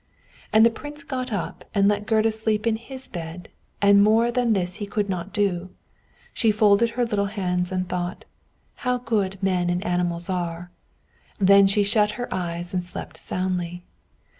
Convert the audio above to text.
And the Prince got up and let Gerda sleep in his bed, and more than this he could not do. She folded her little hands, and thought, "How good men and animals are!" and then she shut her eyes and slept soundly.